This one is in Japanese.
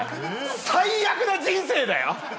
最悪な人生だよ！